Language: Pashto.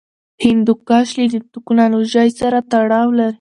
هندوکش له تکنالوژۍ سره تړاو لري.